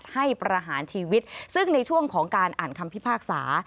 ประหารชีวิตซึ่งในช่วงของการอ่านคำพิพากษา